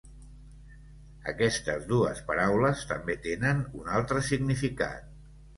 Aquestes dues paraules també tenen un altre significat.